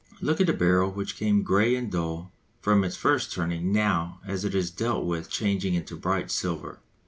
Look at the barrel which came grey and dull from its first turning now as it is dealt with changing into bright silver.